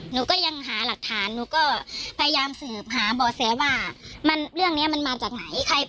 หนูก็ยังหาหลักฐานหนูก็พยายามสืบหาบ่อแสว่าเรื่องนี้มันมาจากไหน